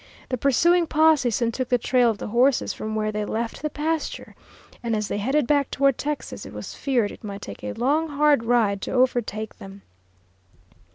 The pursuing posse soon took the trail of the horses from where they left the pasture, and as they headed back toward Texas, it was feared it might take a long, hard ride to overtake them.